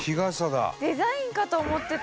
デザインかと思ってた！